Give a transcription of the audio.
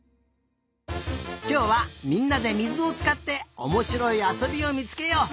きょうはみんなでみずをつかっておもしろいあそびをみつけよう。